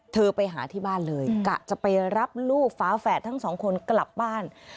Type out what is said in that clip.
ไปหาที่บ้านเลยกะจะไปรับลูกฟ้าแฝดทั้งสองคนกลับบ้าน